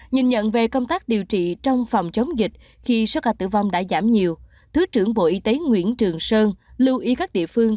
nhìn nhận về công tác điều trị trong phòng chống dịch khi số ca tử vong đã giảm nhiều thứ trưởng bộ y tế nguyễn trường sơn lưu ý các địa phương